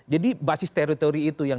jadi basis teritori itu yang